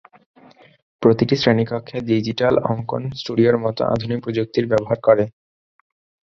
প্রতিটি শ্রেণীকক্ষে ডিজিটাল অঙ্কন স্টুডিওর মতো আধুনিক প্রযুক্তির ব্যবহার করে।